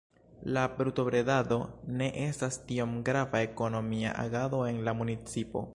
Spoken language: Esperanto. La brutobredado ne estas tiom grava ekonomia agado en la municipo.